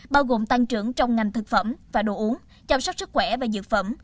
bao gồm tăng trưởng trong ngành thực phẩm và đồ uống chăm sóc sức khỏe và dược phẩm